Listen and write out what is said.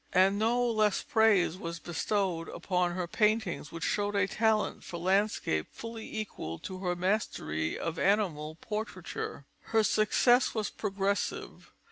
And no less praise was bestowed upon her paintings, which showed a talent for landscape fully equal to her mastery of animal portraiture. Her success was progressive.